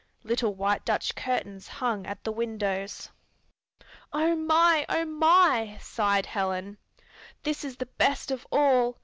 Little white Dutch curtains hung at the windows. "Oh my! Oh my!" sighed Helen. "This is the best of all!